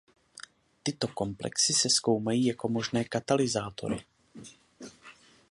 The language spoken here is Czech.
Tyto komplexy se zkoumají jako možné katalyzátory.